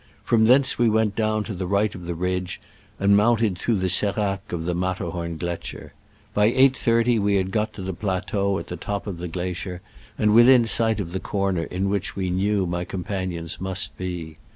From thence we went down to the right of the ridge, and mounted through the seracs of the Mat terhomgletscher. By 8.30 we had got to the plateau at the top of the glacier, and within sight of the corner in which we knew my companions must be.